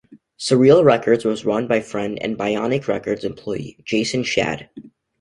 Surreal Records was run by friend and Bionic Records employee Jason Shad.